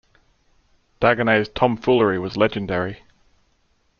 Dagonet’s tom-foolery was legendary.